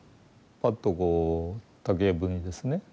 パッとこう竹やぶにですね